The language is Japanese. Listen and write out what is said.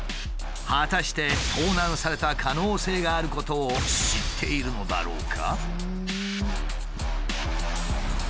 果たして盗難された可能性があることを知っているのだろうか？